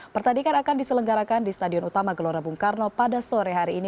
pertandingan akan diselenggarakan di stadion utama gelora bung karno pada sore hari ini